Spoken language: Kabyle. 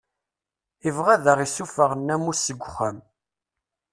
Ibɣa ad aɣ-issufeɣ nnamus seg uxxam.